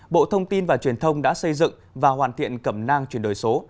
bộ thông tin và truyền thông đã xây dựng và hoàn thiện cẩm nang chuyển đổi số